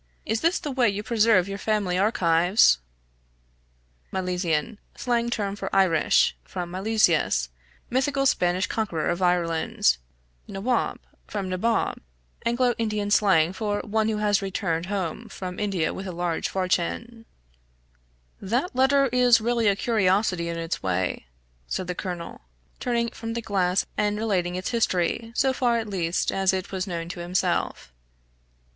Is this the way you preserve your family archives?" {Milesian = slang term for Irish, from Milesius, mythical Spanish conqueror of Ireland; Nawaub = from Nabob, Anglo Indian slang for one who has returned home from India with a large fortune} "That letter is really a curiosity in its way," said the colonel, turning from the glass and relating its history, so far at least as it was known to himself.